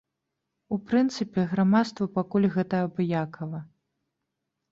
У прынцыпе, грамадству пакуль гэта абыякава.